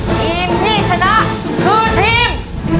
ทีมที่ชนะคือทีม